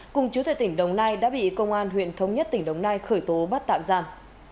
cùng chú thệ tỉnh đồng nai đã bị công an huyện thống nhất tỉnh đồng nai khởi tố bắt tạm giam